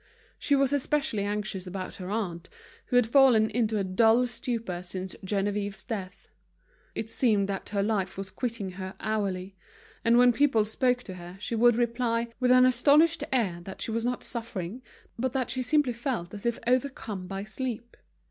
She was especially anxious about her aunt, who had fallen into a dull stupor since Geneviève's death; it seemed that her life was quitting her hourly; and when people spoke to her she would reply with an astonished air that she was not suffering, but that she simply felt as if overcome by sleep.